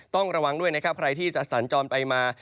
ต้องระวังด้วยนะครับใครที่จะสัญจรไปมา